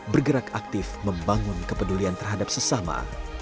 bergerak aktif membangun kepedulian terhadap sesama